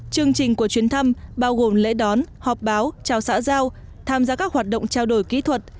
chương trình của chuyến thăm bao gồm lễ đón họp báo chào xã giao tham gia các hoạt động trao đổi kỹ thuật